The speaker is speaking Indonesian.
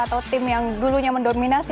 atau tim yang dulunya mendominasi